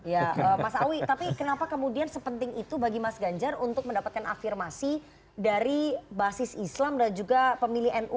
ya mas awi tapi kenapa kemudian sepenting itu bagi mas ganjar untuk mendapatkan afirmasi dari basis islam dan juga pemilih nu